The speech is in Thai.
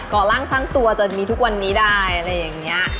ก่อร่างทั้งตัวจะมีทุกวันนี้ได้